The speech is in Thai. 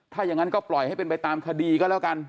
ถ้าอย่างนั้นก็ปล่อยให้เป็นไปตามคดีก็แล้วกัน